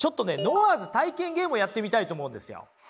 ノワーズ体験ゲームをやってみたいと思うんですよ。